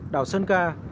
đảo sơn ca